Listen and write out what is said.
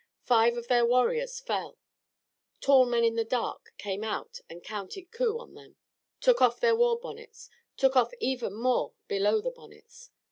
Five of their warriors fell. Tall men in the dark came out and counted coup on them, took off their war bonnets; took off even more below the bonnets.